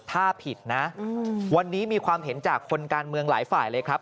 ถ้าผิดนะวันนี้มีความเห็นจากคนการเมืองหลายฝ่ายเลยครับ